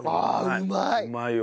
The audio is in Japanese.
うまいわ。